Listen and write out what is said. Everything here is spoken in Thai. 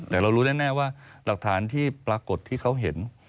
แต่เรารู้แน่ว่าหลักฐานที่ปรากฏที่เขาเห็น